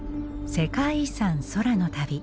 「世界遺産空の旅」。